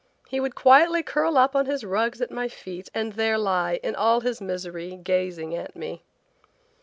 He would quietly curl up on his rugs at my feet and there lie, in all his misery, gazing at me.